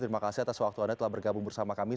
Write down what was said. terima kasih atas waktu anda telah bergabung bersama kami